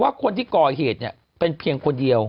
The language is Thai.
ว่าคนที่ก่อเหตุเนี่ยเป็นเพียงคนเดียว